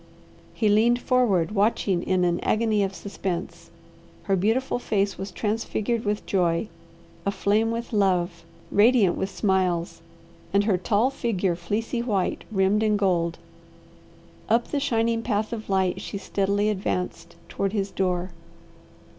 He leaned forward watching in an agony of suspense. Her beautiful face was transfigured with joy, aflame with love, radiant with smiles, and her tall figure fleecy white, rimmed in gold. Up the shining path of light she steadily advanced toward his door.